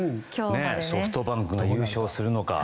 ソフトバンクが優勝するのか。